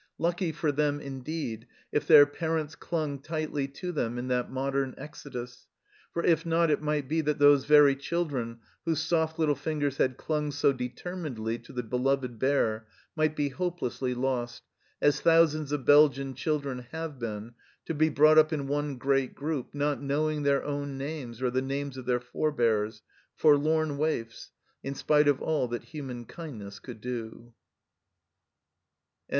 Lucky for them, indeed, if their parents clung tightly to them in that modern Exodus, for if not, it might be that those very children, whose soft little fingers had clung so determinedly to the beloved bear, might be hopelessly lost, as thousands of Belgian children have been, to be brought up in one great group, not knowing their own names or the names of their forbears, forlorn waifs, in spite of all that human kindness could do.